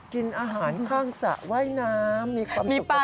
กินอาหารข้างสระว่ายน้ำมีความสุขก็ได้